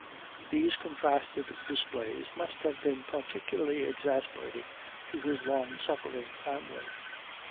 These contrasted displays must have been particularly exasperating to his long suffering family.